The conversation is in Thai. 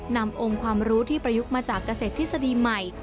นำองค์ความรู้ที่ประยุกต์มาจากเกษตรทฤษฎีใหม่